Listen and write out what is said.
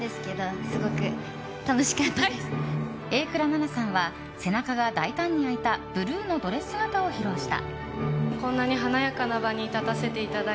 榮倉奈々さんは背中が大胆に開いたブルーのドレス姿を披露した。